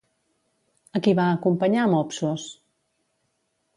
A qui va acompanyar Mopsos?